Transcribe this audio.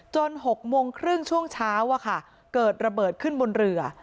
๖โมงครึ่งช่วงเช้าเกิดระเบิดขึ้นบนเรือ